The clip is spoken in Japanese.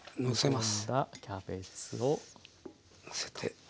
のせて。